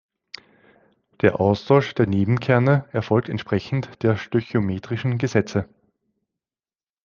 Der Austausch der Neben-Kerne erfolgt entsprechend der stöchiometrischen Gesetze.